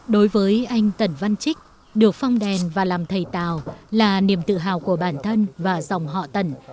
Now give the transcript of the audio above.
đối với anh tần văn trích được phong đèn và làm thầy tào là niềm tự hào của bản thân và dòng họ tần